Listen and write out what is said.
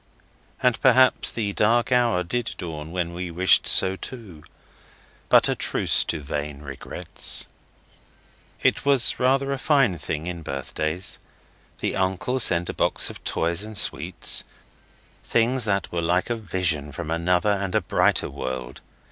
And perhaps the dark hour did dawn when we wished so too. But a truce to vain regrets. It was rather a fine thing in birthdays. The uncle sent a box of toys and sweets, things that were like a vision from another and a brighter world.